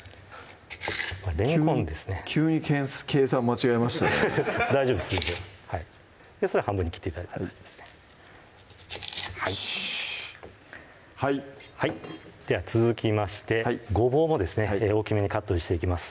急に計算間違えましたね大丈夫です全然それ半分に切って頂いたら大丈夫ですねよしはいはいでは続きましてごぼうもですね大きめにカットしていきます